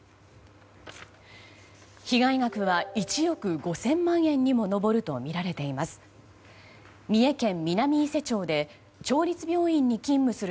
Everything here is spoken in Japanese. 被害額は１億５０００万円にも上るとみられています。